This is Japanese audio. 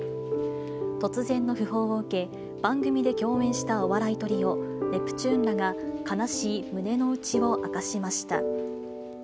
突然の訃報を受け、番組で共演したお笑いトリオ、ネプチューンらが悲しい胸の内を明かしました。